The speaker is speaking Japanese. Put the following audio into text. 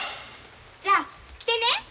じゃあ来てね。